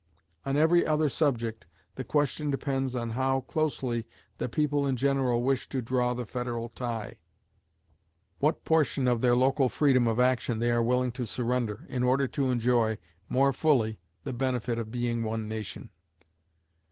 On every other subject the question depends on how closely the people in general wish to draw the federal tie; what portion of their local freedom of action they are willing to surrender, in order to enjoy more fully the benefit of being one nation.